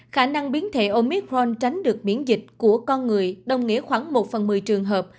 khả năng biến thể omicron tránh được miễn dịch của con người đồng nghĩa khoảng một phần một mươi trường hợp